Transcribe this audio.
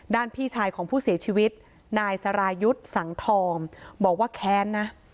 พี่ชายของผู้เสียชีวิตนายสรายุทธ์สังทองบอกว่าแค้นนะ